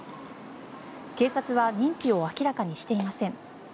警察は認否を明らかにしていません。